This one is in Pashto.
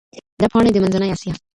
دا پاڼي د منځنۍ اسیا